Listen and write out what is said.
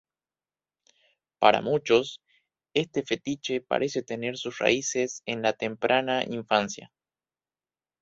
Para muchos, este fetiche parece tener sus raíces en la temprana infancia.